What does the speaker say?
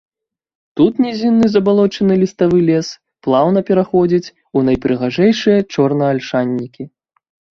Тут нізінны забалочаны ліставы лес плаўна пераходзіць у найпрыгажэйшыя чорнаальшанікі.